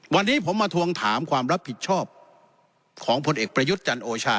วันนี้ผมมาทวงถามความรับผิดชอบของผลเอกประยุทธ์จันทร์โอชา